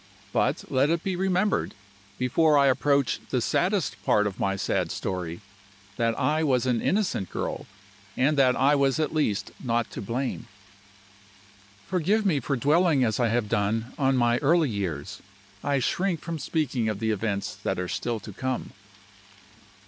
But let it be remembered, before I approach the saddest part of my sad story, that I was an innocent girl, and that I was at least not to blame. "Forgive me for dwelling as I have done on my early years. I shrink from speaking of the events that are still to come.